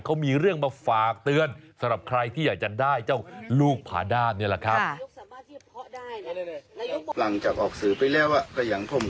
เขามีเรื่องมาฝากเตือนสำหรับใครที่อยากจะได้เจ้าลูกผาด้ามนี่แหละครับ